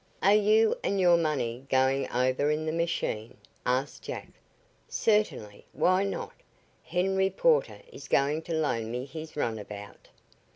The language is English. "Are you and your money going over in the machine?" asked Jack. "Certainly. Why not? Henry Porter is going to loan me his runabout."